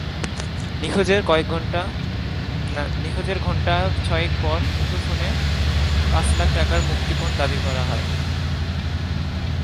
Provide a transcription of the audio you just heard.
নিখোঁজের ঘণ্টা ছয়েক পর মুঠোফোনে পাঁচ লাখ টাকা মুক্তিপণ দাবি করা হয়।